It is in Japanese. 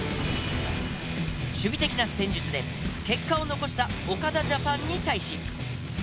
守備的な戦術で結果を残した岡田ジャパンに対し。